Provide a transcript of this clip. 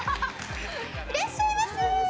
いらっしゃいませ！